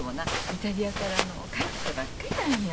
イタリアから帰ってきたばっかりなんや。